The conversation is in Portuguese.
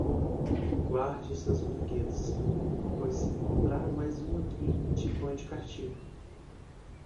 Guarde os seus brinquedos, pois se encontrar mais um aqui te ponho de castigo.